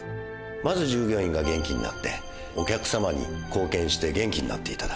まず従業員が元気になってお客様に貢献して元気になって頂く。